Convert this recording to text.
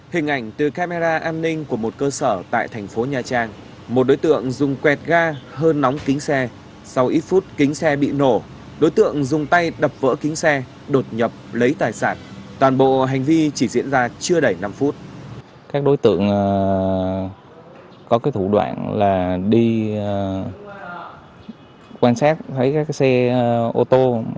hình ảnh từ camera an ninh của một cơ sở tại thành phố nha trang một đối tượng dùng quẹt ga hơn nóng kính xe sau ít phút kính xe bị nổ đối tượng dùng tay đập vỡ kính xe đột nhập lấy tài sản toàn bộ hành vi chỉ diễn ra chưa đẩy năm phút